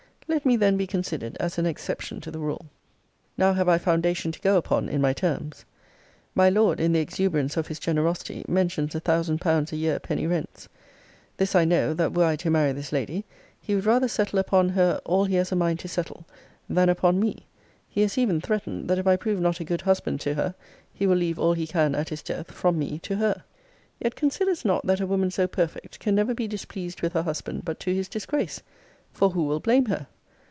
Let me then be considered as an exception to the rule. Now have I foundation to go upon in my terms. My Lord, in the exuberance of his generosity, mentions a thousand pounds a year penny rents. This I know, that were I to marry this lady, he would rather settle upon her all he has a mind to settle, than upon me. He has even threatened, that if I prove not a good husband to her, he will leave all he can at his death from me to her. Yet considers not that a woman so perfect can never be displeased with her husband but to his disgrace: For who will blame her?